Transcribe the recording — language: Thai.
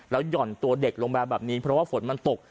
หย่อนตัวเด็กลงมาแบบนี้เพราะว่าฝนมันตก